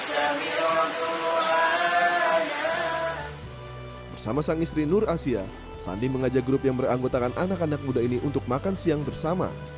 pada saat ini perempuan ini mengajak grup yang beranggotakan anak anak muda ini untuk makan siang bersama